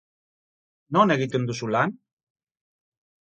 Non egiten duzu lan?